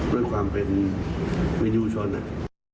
ด้วยความเป็นวินิวชน